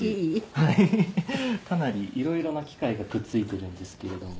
かなりいろいろな機械がくっついてるんですけれども。